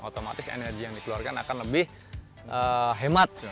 otomatis energi yang dikeluarkan akan lebih hemat